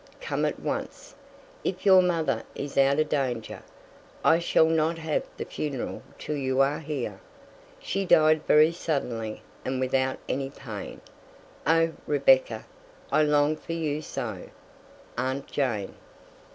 Come at once, if your mother is out of danger. I shall not have the funeral till you are here. She died very suddenly and without any pain. Oh, Rebecca! I long for you so! Aunt Jane.